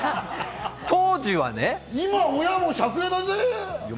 今、親も借家だぜ？